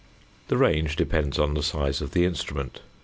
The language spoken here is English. The range depends on the size of the instrument.